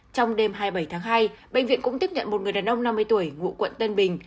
trong đêm hai mươi bảy tháng hai bệnh viện cũng tiếp nhận một người đàn ông năm mươi tuổi ngụ quận tân bình